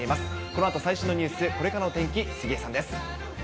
このあと最新のニュース、これからの天気、杉江さんです。